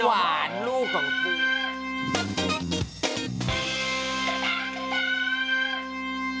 น้ำหวานรู้กัน